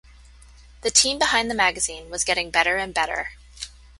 The team behind the magazine was getting better and better.